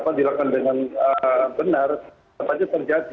kalau dilakukan dengan benar tetap saja terjadi